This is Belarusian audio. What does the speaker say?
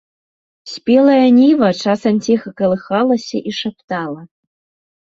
Спелая ніва часам ціха калыхалася і шаптала.